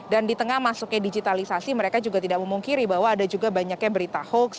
dan di tengah masuknya digitalisasi mereka juga tidak memungkiri bahwa ada juga banyaknya berita hoax